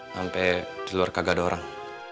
sampai di luar kagak ada orang